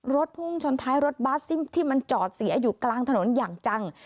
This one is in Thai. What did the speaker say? พุ่งชนท้ายรถบัสที่มันจอดเสียอยู่กลางถนนอย่างจัง